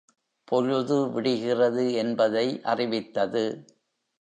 பொழுது விடிகிறது என்பதை அறிவித்தது.